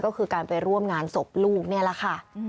ก็คือการไปร่วมงานศพลูกนี่แหละค่ะ